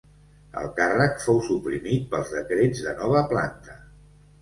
El càrrec fou suprimit pels decrets de Nova Planta.